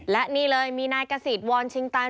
และนี่เลยมีนายกศิษฐ์วอนชิงตัน